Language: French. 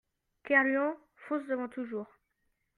Kerlouan, Fonce Devant Toujours.